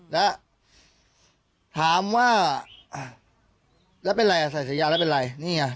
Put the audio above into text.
แล้วถามว่าแล้วเป็นไรอ่ะใส่ฉายาแล้วเป็นไรนี่ไง